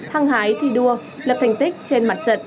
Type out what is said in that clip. hăng hái thi đua lập thành tích trên mặt trận